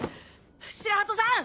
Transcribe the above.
白鳩さん！